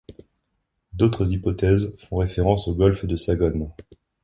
D'autres hypothèses font référence au golfe de Sagone.